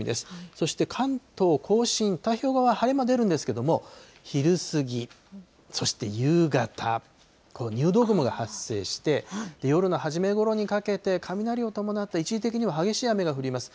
そして関東甲信、太平洋側、晴れ間出るんですけれども、昼過ぎ、そして夕方、入道雲が発生して、夜の初め頃にかけて、雷を伴った一時的には激しい雨が降ります。